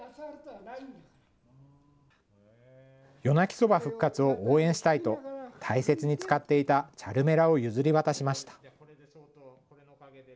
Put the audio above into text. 夜鳴きそば復活を応援したいと大切に使っていたチャルメラを譲り渡しました